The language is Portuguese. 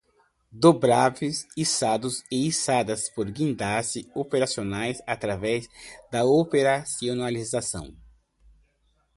Dobráveis, içados e içadas por guindastes operacionais através da operacionalização